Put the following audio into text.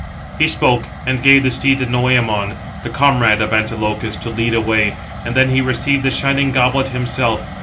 He spoke, and gave the steed to Noëmon, the comrade of Antilochus, to lead away; and then he received the shining goblet [himself].